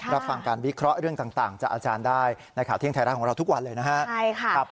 รับฟังการวิเคราะห์เรื่องต่างจากอาจารย์ได้ในข่าวเที่ยงไทยรัฐของเราทุกวันเลยนะครับ